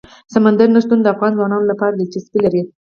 سمندر نه شتون د افغان ځوانانو لپاره دلچسپي لري.